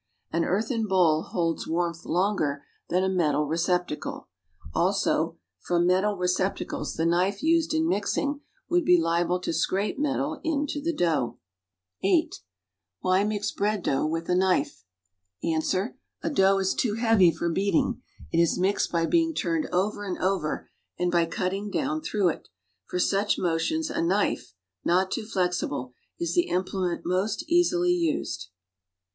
An earthen bowl holds warmth longer than a metal recep tacle. Also from metal receptacles the knife used in mixing would be liable to scrape metal into the dough. 74 (8) Why mix bread dough with a l<uife? Ans. A dough is too heavy for heating;; it is mixed by beiiiR turned over and over and by cutting down througli it; for such motions a knife — not too flexible — is the implement most easily used.